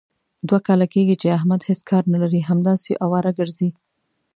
دوه کاله کېږي، چې احمد هېڅ کار نه لري. همداسې اواره ګرځي.